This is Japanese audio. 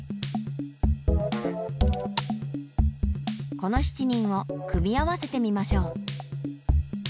この７人を組み合わせてみましょう。